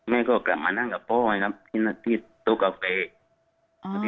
มันก็กลับมานั่งกับพ่อไว้ติดลูกกาเฟย์